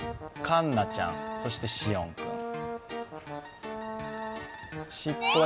カンナちゃん、そしてシオン君。